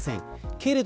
けれど